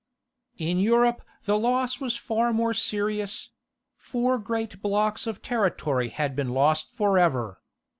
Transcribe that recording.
In Europe the loss was far more serious: four great blocks of territory had been lost for ever.